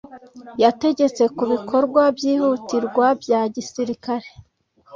yategetse 'kubikorwa byihutirwa bya gisirikare'